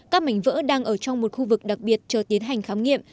các mảnh vỡ đang ở trong một khu vực đặc biệt chờ tiến hành khám nghiệm